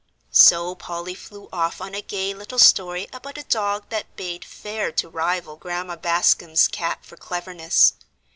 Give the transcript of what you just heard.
So Polly flew off on a gay little story about a dog that bade fair to rival Grandma Bascom's cat for cleverness.